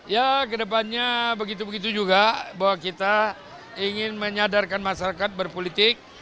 ya kedepannya begitu begitu juga bahwa kita ingin menyadarkan masyarakat berpolitik